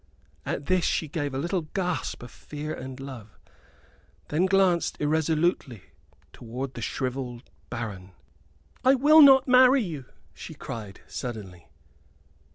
At this she gave a little gasp of fear and love, then glanced irresolutely towards the shrivelled baron. "I will not marry you!" she cried, suddenly.